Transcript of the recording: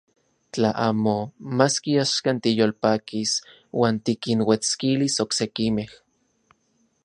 Tla amo, maski axkan tiyolpakis uan tikinuetskilis oksekimej.